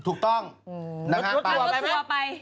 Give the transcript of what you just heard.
ถูกต้องนะฮะไปรถทัวร์ไปไหม